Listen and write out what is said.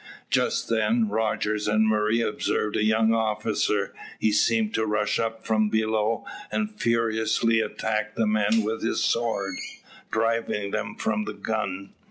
Just then, Rogers and Murray observed a young officer; he seemed to rush up from below, and furiously attack the men with his sword, driving them from the gun.